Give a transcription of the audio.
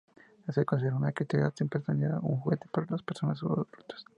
Se les considera una criatura sin personalidad, un juguete para las personas adultas.